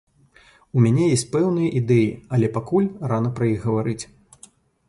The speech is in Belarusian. У мяне ёсць пэўныя ідэі, але пакуль рана пра іх гаварыць.